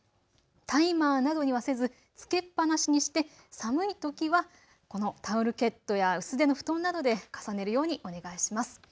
タイマーなどにはせずつけっぱなしにして寒いときはこのタオルケットや薄手の布団などで重ねるようにお願いします。